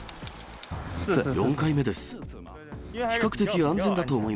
４回目です。